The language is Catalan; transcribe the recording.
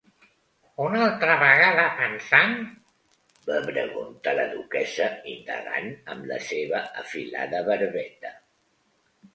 "Una altra vegada pensant?", va preguntar la duquessa indagant amb la seva afilada barbeta.